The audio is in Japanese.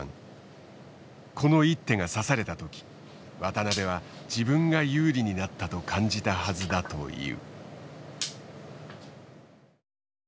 この一手が指された時渡辺は自分が有利になったと感じたはずだという。